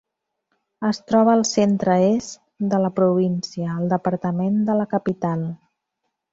Es troba al centre-est de la província, al departament de la Capital.